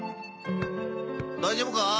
大丈夫か？